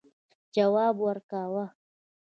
جواب ورکاوه.